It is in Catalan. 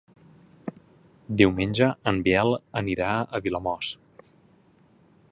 Diumenge en Biel anirà a Vilamòs.